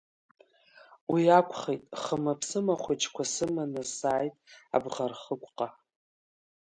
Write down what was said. Уи акәхеит, хыма-ԥсыма ахәыҷқәа сыманы сааит Абӷархықәҟа.